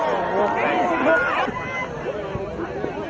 สวัสดีทุกคน